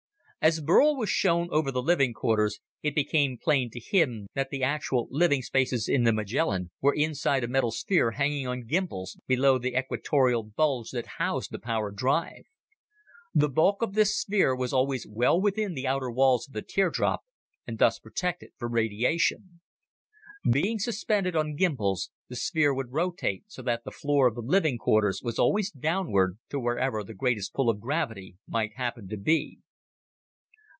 As Burl was shown over the living quarters it became plain to him that the actual living spaces in the Magellan were inside a metal sphere hanging on gymbals below the equatorial bulge that housed the power drive. The bulk of this sphere was always well within the outer walls of the teardrop, and thus protected from radiation. Being suspended on gymbals, the sphere would rotate so that the floor of the living quarters was always downward to wherever the greatest pull of gravity might happen to be.